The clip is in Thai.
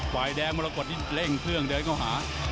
ฝ่ายแดงมาแล้วกว่าที่เร่งเครื่องเดินเข้าหา